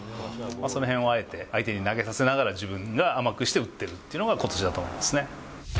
そのへんはあえて相手に投げさせながら、甘くして打っているっていうのが、ことしだと思いますね。